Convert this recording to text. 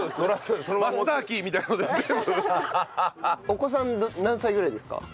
お子さん何歳ぐらいですか？